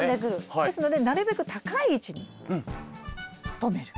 ですのでなるべく高い位置に留める。